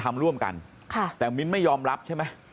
ลูกสาวหลายครั้งแล้วว่าไม่ได้คุยกับแจ๊บเลยลองฟังนะคะ